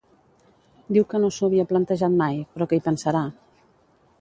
Diu que no s'ho havia plantejat mai, però que hi pensarà.